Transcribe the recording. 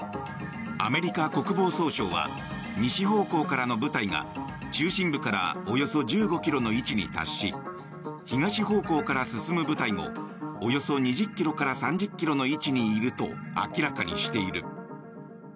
アメリカ国防総省は西方向からの部隊が中心部からおよそ１５ｋｍの位置に達し東方向から進む部隊もおよそ２０ｋｍから３０ｋｍの位置にいると明らかにしている。